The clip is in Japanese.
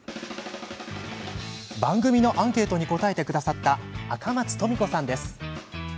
番組のアンケートに答えてくださった赤松富子さんです。